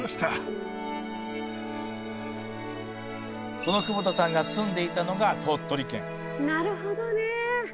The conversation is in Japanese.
その久保田さんが住んでいたのがなるほどね。